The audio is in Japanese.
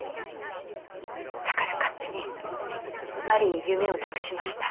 だから勝手に真理に夢を託しました。